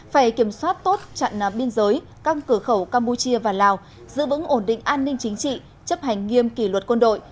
phải kiểm soát tốt trận biên giới căng cửa khẩu campuchia và lào giữ vững ổn định an ninh chính trị chấp hành nghiêm kỷ luật quân đội